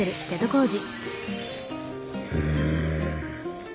うん。